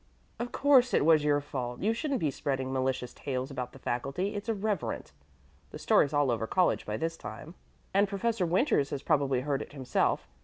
"Of course it was your fault. You shouldn't be spreading malicious tales about the faculty; it's irreverent. The story's all over college by this time, and Professor Winters has probably heard it himself.